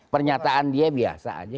pernyataan dia biasa aja